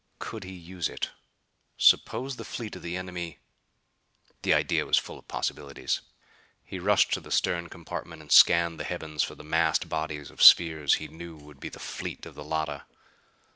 Could he use it? Suppose the fleet of the enemy The idea was full of possibilities. He rushed to the stern compartment, and scanned the heavens for the massed body of spheres he knew would be the fleet of the Llotta.